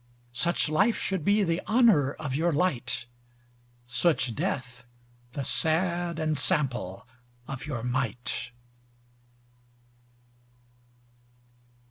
Such life should be the honor of your light, Such death the sad ensample of your might.